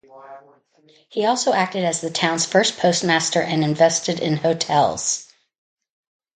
He also acted as the town's first postmaster and invested in hotels.